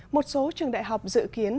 một số trường đại học dự kiến